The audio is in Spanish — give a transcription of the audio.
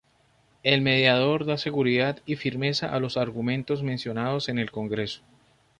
El "mediador" da seguridad y firmeza a los argumentos mencionados en el congreso.